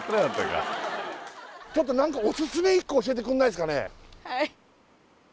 ちょっと何かオススメ１個教えてくれないですかね？